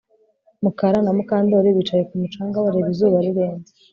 Mukara na Mukandoli bicaye ku mucanga bareba izuba rirenze